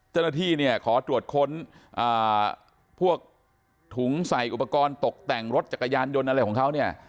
เจ้าหน้าที่เนี่ยขอตรวจค้นพวกถุงใส่อุปกรณ์ตกแต่งรถจักรยานยนต์อะไรของเขาเนี่ย